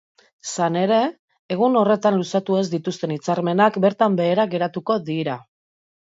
Izan ere, egun horretan luzatu ez dituzten hitzarmenak bertan behera geratuko dira.